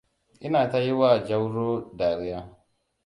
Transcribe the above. Ina ta yiwa Jauroa dariya.